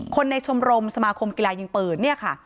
คนในชมรมสมาคมกีฬายิงปืนเนี่ยค่ะ